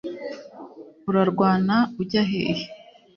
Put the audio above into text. urarwana ujya hehe’”